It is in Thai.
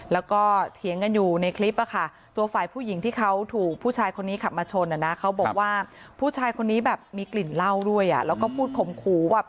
แล้วก็เถียงกันอยู่ในคลิปค่ะตัวฝ่ายผู้หญิงที่เขาถูกผู้ชายคนนี้ขับมาชนนะ